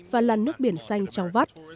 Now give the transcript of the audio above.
và làn nước biển xanh trong vắt